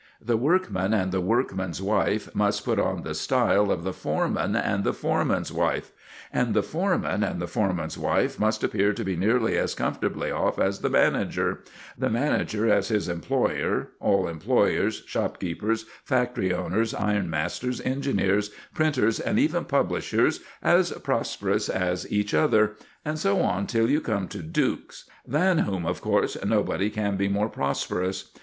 The workman and the workman's wife must put on the style of the foreman and the foreman's wife, and the foreman and the foreman's wife must appear to be nearly as comfortably off as the manager, the manager as his employer, all employers, shopkeepers, factory owners, iron masters, engineers, printers, and even publishers as prosperous as each other, and so on till you come to dukes, than whom, of course, nobody can be more prosperous.